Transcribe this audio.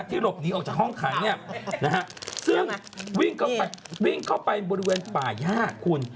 หลบหนีออกจากห้องขังเนี่ยนะฮะซึ่งวิ่งเข้าไปบริเวณป่าย่าคุณ